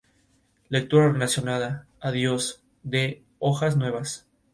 La excentricidad de estas órbitas es un número no negativo que define su forma.